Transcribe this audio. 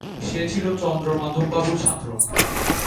সে ছিল চন্দ্রমাধববাবুর ছাত্র।